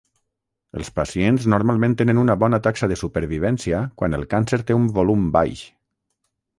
Els pacients normalment tenen una bona taxa de supervivència quan el càncer té un volum baix.